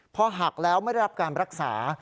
พอหักแล้วไม่ได้รับการรักษา